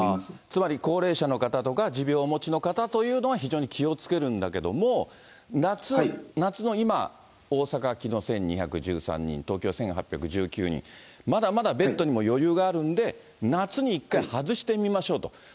つまり、高齢者の方とか、持病をお持ちの方というのは非常に気をつけるんだけども、夏の今、大阪、きのう１２１３人、東京１８１９人、まだまだベッドにも余裕があるんで、夏に一回外してみましょうと。